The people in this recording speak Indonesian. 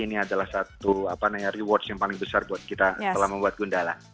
ini adalah satu rewards yang paling besar buat kita setelah membuat gundala